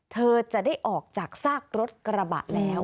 เธอจะได้ออกจากซากรถกระบะแล้ว